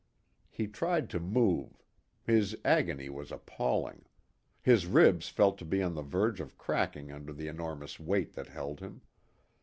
He tried to move. His agony was appalling. His ribs felt to be on the verge of cracking under the enormous weight that held him.